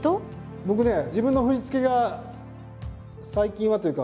僕ね自分の振り付けが最近はというか